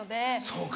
そうか。